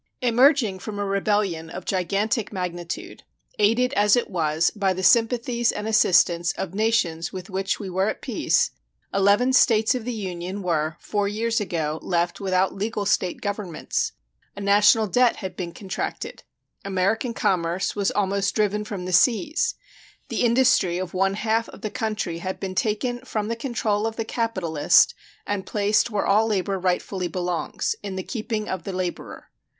Emerging from a rebellion of gigantic magnitude, aided, as it was, by the sympathies and assistance of nations with which we were at peace, eleven States of the Union were, four years ago, left without legal State governments. A national debt had been contracted; American commerce was almost driven from the seas; the industry of one half of the country had been taken from the control of the capitalist and placed where all labor rightfully belongs in the keeping of the laborer.